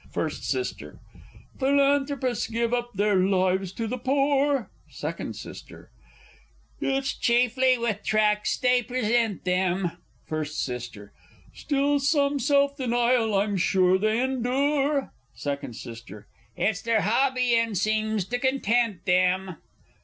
_ First S. Philanthropists give up their lives to the poor. Second S. It's chiefly with tracts they present them. First S. Still, some self denial I'm sure they endure? Second S. It's their hobby, and seems to content them.